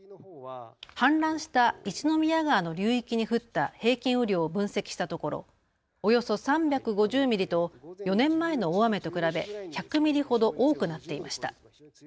氾濫した一宮川の流域に降った平均雨量を分析したところおよそ３５０ミリと４年前の大雨と比べ１００ミリほど多くなっていました。